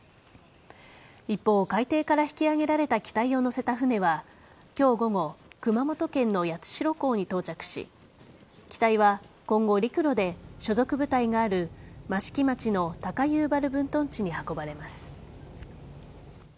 一方、海底から引き揚げられた機体を載せた船は今日午後熊本県の八代港に到着し機体は今後、陸路で所属部隊がある益城町の高遊原分屯地に運ばれます。